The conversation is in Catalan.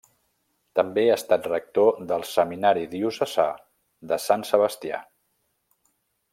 També ha estat rector del Seminari Diocesà de Sant Sebastià.